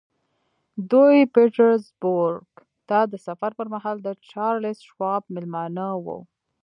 دوی پیټرزبورګ ته د سفر پر مهال د چارلیس شواب مېلمانه وو